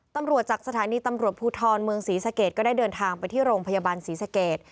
ตำรวจจากสถานีตำรวจภูทรเมืองศรีสะเกดก็ได้เดินทางไปที่โรงพยาบาลศรีสเกต